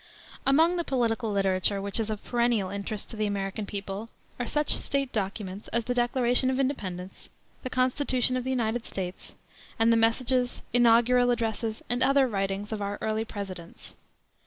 Among the political literature which is of perennial interest to the American people are such State documents as the Declaration of Independence, the Constitution of the United States, and the messages, inaugural addresses, and other writings of our early presidents.